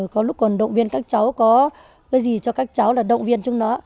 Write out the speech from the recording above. có lúc còn động viên các cháu có cái gì cho các cháu là động viên chúng nó